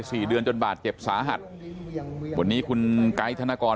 สี่เดือนจนบาดเจ็บสาหัสวันนี้คุณไกด์ธนกร